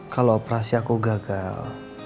kalau operasi aku gagal